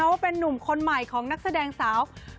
ว่าเป็นนุ่มคนใหม่ของนักแสดงสาว